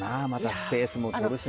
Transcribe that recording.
スペースもとるしな。